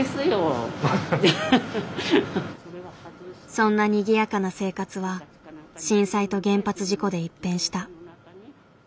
そんなにぎやかな生活は震災と原発事故で一変した。